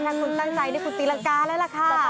ถ้าคุณตั้งใจนี่คุณตีรังกาแล้วล่ะค่ะ